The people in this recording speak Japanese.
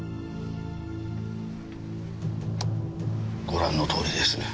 ご覧のとおりですね。